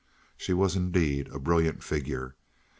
She was, indeed, a brilliant figure.